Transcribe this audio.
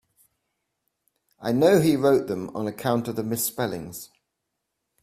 I know he wrote them on account of the misspellings.